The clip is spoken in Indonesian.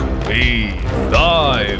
tidak tidak tidak